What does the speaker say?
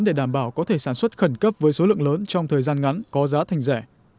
để đảm bảo có thể sản xuất khẩn cấp với số lượng lớn trong thời gian ngắn có giá thành rẻ